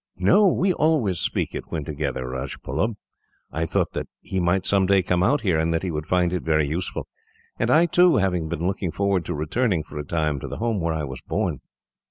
"No, we always speak it when together, Rajbullub. I thought that he might, some day, come out here, and that he would find it very useful; and I, too, have been looking forward to returning, for a time, to the home where I was born."